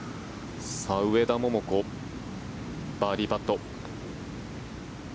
上田桃子バーディーパット。